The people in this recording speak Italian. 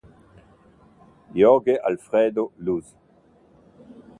Jorge Alfredo Luz